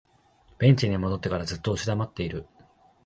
ベンチに戻ってからずっと押し黙っている